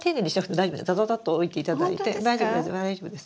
大丈夫です大丈夫です。